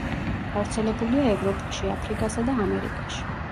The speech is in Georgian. გავრცელებულია ევროპაში, აფრიკასა და ამერიკაში.